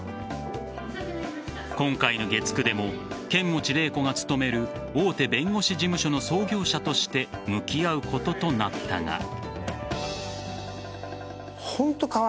今回の月９でも剣持麗子が勤める大手弁護士事務所の創業者として向き合うこととなったが。